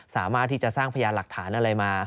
สามารถที่จะสร้างพยานหลักฐานอะไรมา